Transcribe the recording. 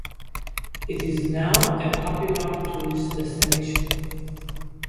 It is now a popular tourist destination.